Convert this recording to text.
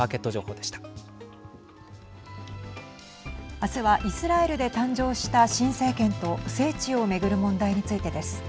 明日はイスラエルで誕生した新政権と聖地を巡る問題についてです。